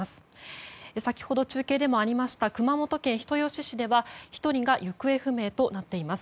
先ほど中継にもありました熊本県人吉市では１人が行方不明となっています。